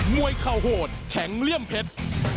เข่าโหดแข็งเลี่ยมเพชร